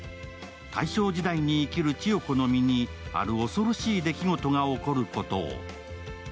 大正時代に生きる千代子の身にある恐ろしいことが起こることを。